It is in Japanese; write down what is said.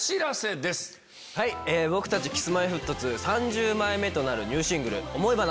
Ｋｉｓ−Ｍｙ−Ｆｔ２３０枚目となるニューシングル『想花』。